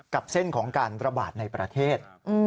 เส้นของการระบาดในประเทศ